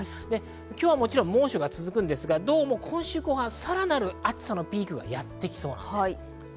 今日はもちろん猛暑が続きますが、今週後半さらなる暑さのピークがやってきそうです。